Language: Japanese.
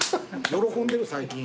喜んでる最近。